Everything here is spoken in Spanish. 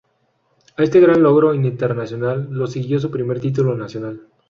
A este gran logro internacional lo siguió su primer título nacional.